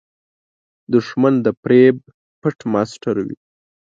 دښمن د فریب پټ ماسټر وي